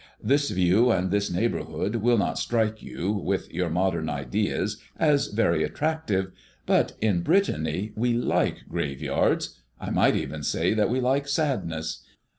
This view and this neighborhood will not strike you, with your modern ideas, as very attractive; but in Brittany we like graveyards, I might even say that we like sadness.